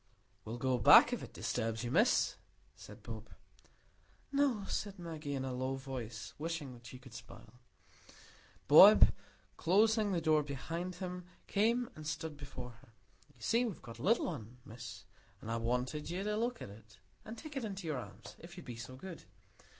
"We'll go back, if it disturbs you, Miss," said Bob. "No," said Maggie, in a low voice, wishing she could smile. Bob, closing the door behind him, came and stood before her. "You see, we've got a little un, Miss, and I want'd you to look at it, and take it in your arms, if you'd be so good.